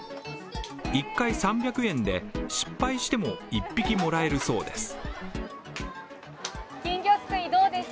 １回３００円で、失敗しても、１匹もらえるそうです。